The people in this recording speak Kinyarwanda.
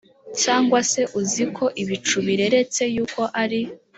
Cyangwa se uzi uko ibicu bireretse Yuko ari